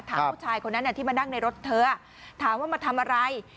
ผู้ชายคนนั้นที่มานั่งในรถเธอถามว่ามาทำอะไร